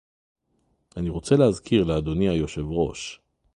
אני רוצה להזכיר לאדוני היושב-ראש